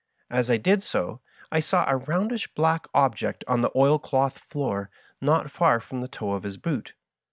As I did so I saw a roundish black object on the oil cloth floor not far from the toe of his boot.